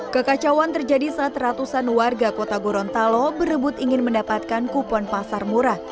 kekacauan terjadi saat ratusan warga kota gorontalo berebut ingin mendapatkan kupon pasar murah